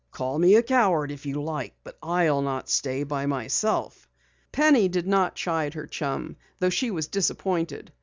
"Call me a coward if you like I'll not stay by myself!" Penny did not chide her chum, though she was disappointed.